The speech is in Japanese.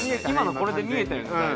今のこれで見えたね